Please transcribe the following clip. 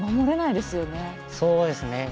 そうですね。